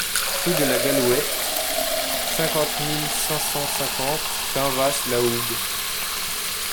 Rue de la Gallouette, cinquante mille cinq cent cinquante Saint-Vaast-la-Hougue